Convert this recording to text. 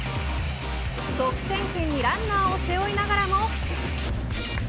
得点圏にランナーを背負いながらも。